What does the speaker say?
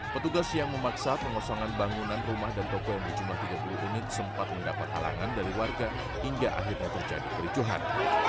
petugas yang memaksa pengosongan bangunan rumah dan toko yang berjumlah tiga puluh unit sempat mendapat halangan dari warga hingga akhirnya terjadi kericuhan